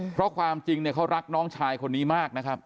เพราะความจริงเนี่ยเขารักน้องชายคนนี้มากนะครับ